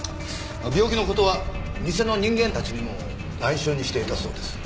病気の事は店の人間たちにも内緒にしていたそうです。